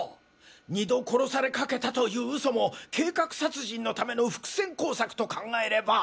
二度殺されかけたという嘘も計画殺人のための伏線工作と考えれば。